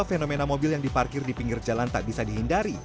fenomena mobil yang diparkir di pinggir jalan tak bisa dihindari